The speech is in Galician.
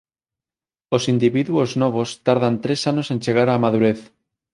Os individuos novos tardan tres anos en chegar á madurez.